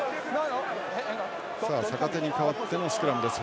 坂手に代わってのスクラムです。